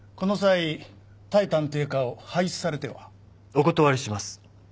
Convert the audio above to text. お断りします。